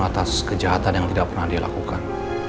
atas kejahatan yang tidak pernah dia lakukan